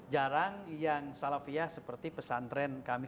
jarang yang salafiyah seperti pesantren kami